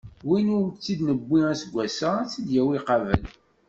Win ur t-id-newwi aseggas-a, ad t-id-yawi qabel.